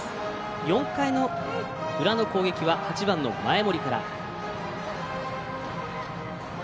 ４回の裏の攻撃は８番の前盛から。